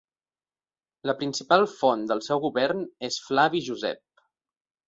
La principal font del seu govern és Flavi Josep.